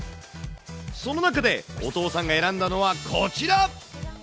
その中で、お父さんが選んだのはこちら。